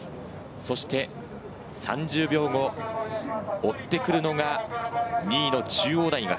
そして３０秒後、追ってくるのが２位の中央大学。